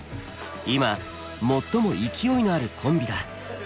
今最も勢いのあるコンビだ。